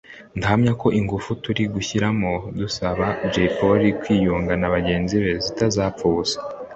ndahamya ko ingufu turi gushyiramo dusaba Jay Polly kwiyunga na bagenzi be zitazapfa ubusa